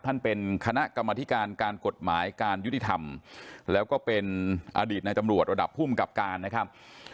ท่านเป็นคณะกรรมธิการการกฎหมายการยุติธรรมแล้วก็เป็นอดีตในตำรวจระดับภูมิกับการนะครับ